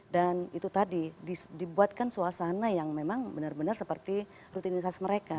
dan itu tadi dibuatkan suasana yang memang benar benar seperti rutinisasi mereka